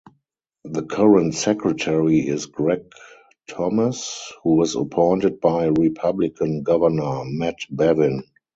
The current Secretary is Greg Thomas, who was appointed by Republican Governor Matt Bevin.